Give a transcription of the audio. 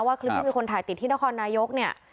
คลิปที่มีคนถ่ายติดที่นครนายกเนี่ย